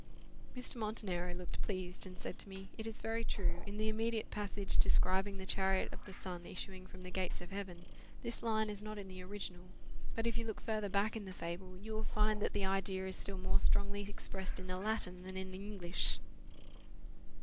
Mr. Montenero looked pleased, and said to me, "It is very true, in the immediate passage describing the chariot of the Sun issuing from the gates of Heaven, this line is not in the original; but if you look further back in the fable, you will find that the idea is still more strongly expressed in the Latin than in the English."